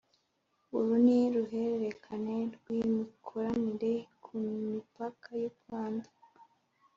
Uru ni ruhererekane rw’ imikoranire ku mipaka y’ u Rwanda